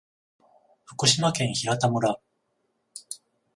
福島県平田村